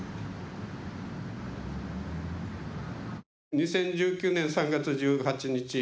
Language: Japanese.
２０１９年３月１８日